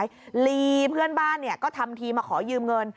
ลีเพื่อนบ้านเนี่ยก็ทำทีมาขอยืมเงิน